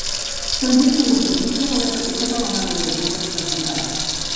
També fou organista de la capella de la Mare de Déu dels Desemparats.